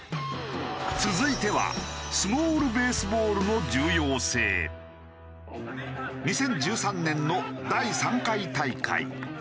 続いては２０１３年の第３回大会。